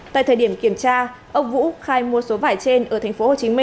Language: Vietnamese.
tại thời điểm kiểm tra ông vũ khai mua số vải trên ở tp hcm